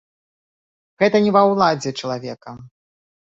Гэта не ва ўладзе чалавека.